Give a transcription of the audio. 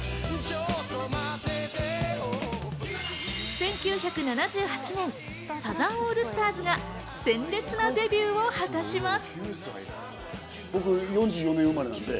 １９７８年、サザンオールスターズが鮮烈なデビューを果たします。